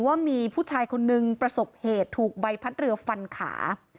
ว่ามีผู้ชายคนนึงประสบเหตุถูกใบพัดเรือฟันขา